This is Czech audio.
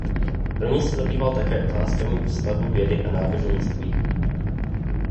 Rovněž se zabýval také otázkami vztahu vědy a náboženství.